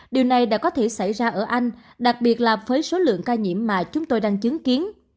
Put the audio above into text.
điều này đã có thể xảy ra ở anh đặc biệt là với số lượng ca nhiễm mà chúng tôi đang chứng kiến